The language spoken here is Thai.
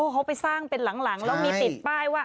เขาไปสร้างเป็นหลังแล้วมีติดป้ายว่า